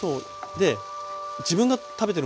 で自分が食べてるもの